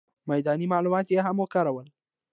میداني معلومات یې هم وکارول.